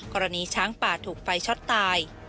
กรณีช้างป่าถูกไฟช็อตตาย